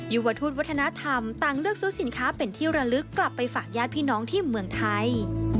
วทูตวัฒนธรรมต่างเลือกซื้อสินค้าเป็นที่ระลึกกลับไปฝากญาติพี่น้องที่เมืองไทย